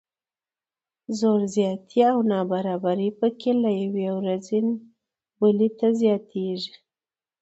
زور زیاتی او نابرابري پکې له یوې ورځې بلې ته زیاتیږي.